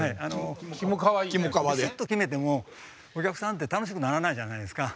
ビシッとキメてもお客さんって楽しくならないじゃないですか。